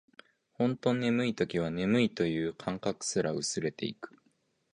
ほんと眠い時は、眠いという感覚すら薄れていく